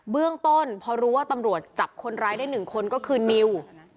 เบื้องต้นพอรู้ว่าตำรวจจับคนร้ายได้๑คนก็คือนิว